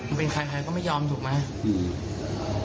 ผมเป็นใครก็ไม่ยอมถูกไหม